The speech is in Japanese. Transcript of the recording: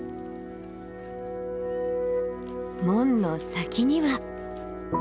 門の先には。